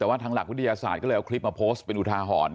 แต่ว่าทางหลักวิทยาศาสตร์ก็เลยเอาคลิปมาโพสต์เป็นอุทาหรณ์